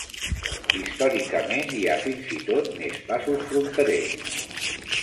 Històricament, hi ha fins i tot més passos fronterers.